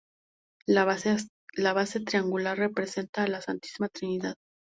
La base triangular, representa a la santísima trinidad.